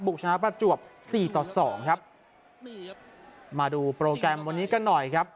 ชนะประจวบสี่ต่อสองครับมาดูโปรแกรมวันนี้กันหน่อยครับ